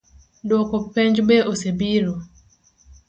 Duoko penj be osebiro?